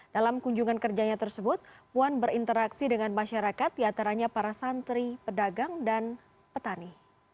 dalam kunjungan kerjanya tersebut puan berinteraksi dengan masyarakat diantaranya para santri pedagang dan petani